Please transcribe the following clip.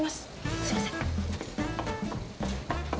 すみません！